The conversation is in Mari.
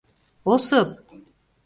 Осып!